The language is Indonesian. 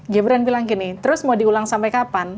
gibran bilang gini terus mau diulang sampai kapan